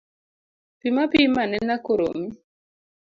Pim apima anena koromi.